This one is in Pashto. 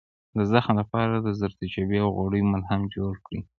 د زخم لپاره د زردچوبې او غوړیو ملهم جوړ کړئ